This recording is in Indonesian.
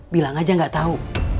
bilang aja gak tau